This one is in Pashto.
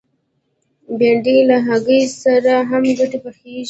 بېنډۍ له هګۍ سره هم ګډ پخېږي